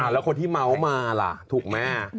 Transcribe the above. แล้วคนที่เมาส์มาล่ะถูกแม่